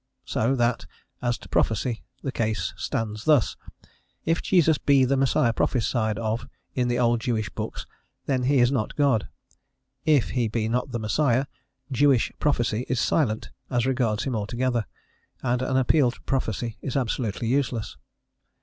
So that, as to prophecy, the case stands thus: If Jesus be the Messiah prophesied of in the old Jewish books, then he is not God: if he be not the Messiah, Jewish prophecy is silent as regards him altogether, and an appeal to prophecy is absolutely useless.